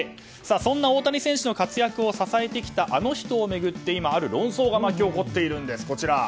そんな大谷選手の活躍を支えてきたあの人を巡って今、ある論争が巻き起こっているんです。